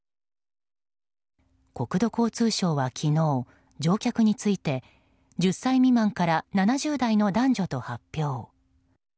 国土交通省は昨日、乗客について１０歳未満から７０代の男女と発表。